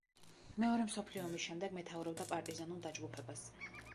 მეორე მსოფლიო ომის შემდეგ მეთაურობდა პარტიზანულ დაჯგუფებას.